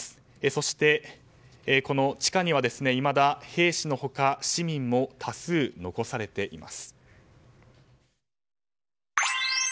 そして、この地下にはいまだ兵士の他市民も多数残されています。